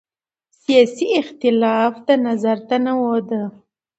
سیاسي اختلاف د نظر تنوع ده